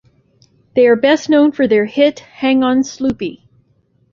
They are best known for their hit "Hang on Sloopy".